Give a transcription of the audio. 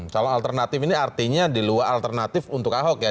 calon alternatif ini artinya di luar alternatif untuk ahok ya